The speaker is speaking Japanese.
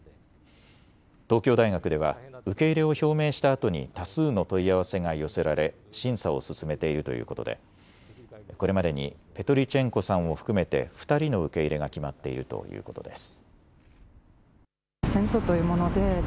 東京大学では受け入れを表明したあとに多数の問い合わせが寄せられ、審査を進めているということでこれまでにペトリチェンコさんを含めて２人の受け入れが決まっているということです。